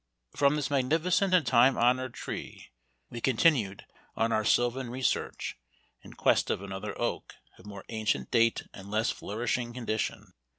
From this magnificent and time honored tree we continued on our sylvan research, in quest of another oak, of more ancient date and less flourishing condition.